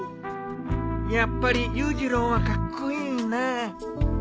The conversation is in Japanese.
やっぱり裕次郎はカッコイイなあ。